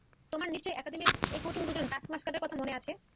তোমার নিশ্চয় একাডেমির এই কঠিন দুজন টাস্কমাস্টারের কথা মনে আছে?